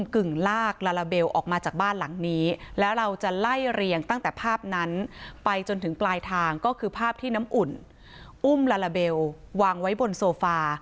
คือภาพที่น้ำอุ่นอุ้มลาลาเบลวางไว้บนโซฟา